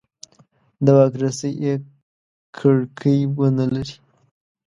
د واک رسۍ یې کړکۍ ونه لري.